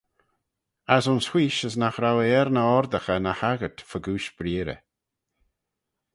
As ayns wheesh as nagh row eh er ny oardaghey ny haggyrt fegooish breearrey.